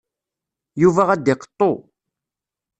Yuba ad iqeṭṭu.